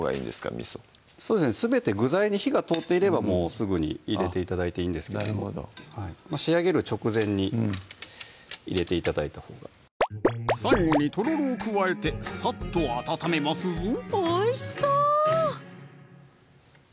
みそそうですねすべて具材に火が通っていればすぐに入れて頂いていいんですがなるほど仕上げる直前に入れて頂いたほうが最後にとろろを加えてさっと温めますぞおいしそう！